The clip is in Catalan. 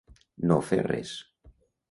No fer res.